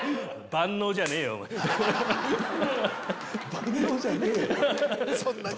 「万能じゃねぇよ」！